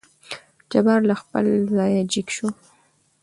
جبار له خپل ځايه جګ شو.